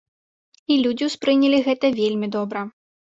І людзі ўспрынялі гэта вельмі добра.